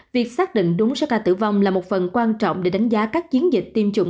việc xác định đúng số ca tử vong là một phần quan trọng để đánh giá các chiến dịch tiêm chủng